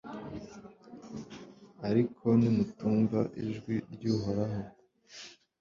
ariko nimutumva ijwi ry'uhoraho